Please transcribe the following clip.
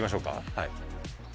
はい。